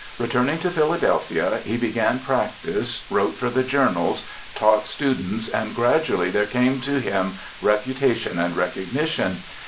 Re turning to Philadelphia, he began practice, wrote for the journals, taught students, and gradually there came to him reputation and recognition.